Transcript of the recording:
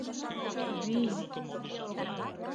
— Вий!